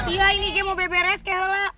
iya ini gue mau beres beres kehola